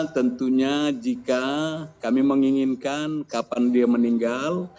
tentunya jika kami menginginkan kapan dia meninggal